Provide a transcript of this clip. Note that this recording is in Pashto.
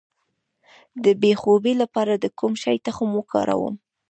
د بې خوبۍ لپاره د کوم شي تخم وکاروم؟